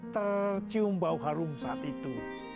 tercium bau harum saat itu